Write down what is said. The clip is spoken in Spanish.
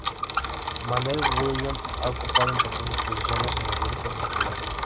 Manuel Grullón ha ocupado importantes posiciones en el Grupo Popular.